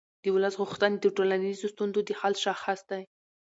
د ولس غوښتنې د ټولنیزو ستونزو د حل شاخص دی